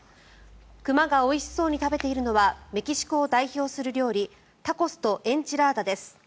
熊がおいしそうに食べているのはメキシコを代表する料理タコスとエンチラーダです。